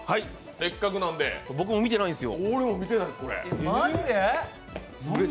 せっかくなんで、俺も見ていないです。